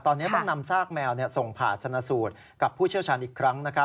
ตอนนี้ต้องนำซากแมวส่งผ่าชนะสูตรกับผู้เชี่ยวชาญอีกครั้ง